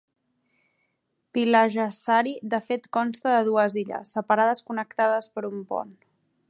Pihlajasaari de fet consta de dues illes separades connectades per un pont.